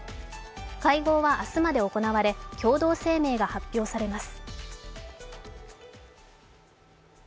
会合は明日まで行われ共同声明が発表されます。